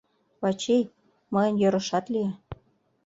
— Вачий, мыйын йӧрышат лие.